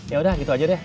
yaudah gitu aja deh